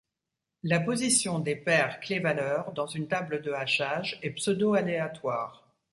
La position des paires clé–valeur dans une table de hachage est pseudo-aléatoire.